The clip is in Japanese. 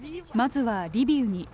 まずはリビウに。